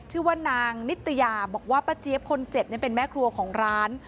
ชื่อว่านางนิตยาบอกว่าป้าเจี๊ยบคนเจ็บเป็นแม่ครัวของร้าน